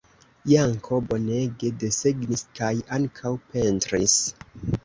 Janko bonege desegnis kaj ankaŭ pentris.